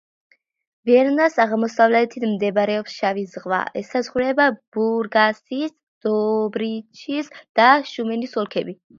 ვარნას აღმოსავლეთით მდებარეობს შავი ზღვა, ესაზღვრება ბურგასის, დობრიჩის და შუმენის ოლქები.